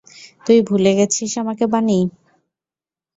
তুই ভুলে গেছিস আমাকে, বানি।